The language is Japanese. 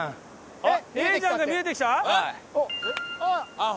あっ！